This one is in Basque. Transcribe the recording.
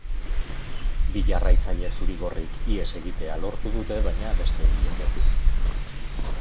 Bi jarraitzaile zuri-gorrik ihes egitea lortu dute, baina beste biek ez.